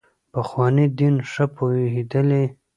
پخواني دین ښه پوهېدلي.